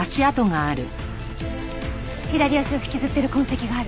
左足を引きずってる痕跡がある。